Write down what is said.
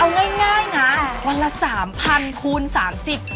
เอาง่ายหนะวันละสามพันคูณสามสิบ